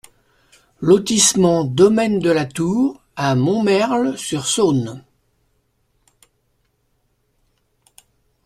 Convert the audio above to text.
Lotissement Domaine de la Tour à Montmerle-sur-Saône